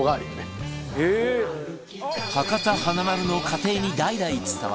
博多華丸の家庭に代々伝わる激うま鍋